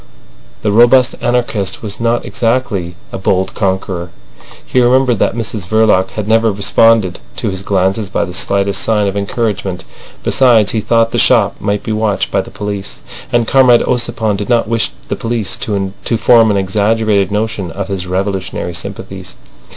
The robust anarchist was not exactly a bold conqueror. He remembered that Mrs Verloc had never responded to his glances by the slightest sign of encouragement. Besides, he thought the shop might be watched by the police, and Comrade Ossipon did not wish the police to form an exaggerated notion of his revolutionary sympathies.